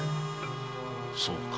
そうか。